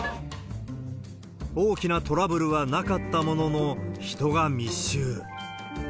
大きなトラブルはなかったものの、人が密集。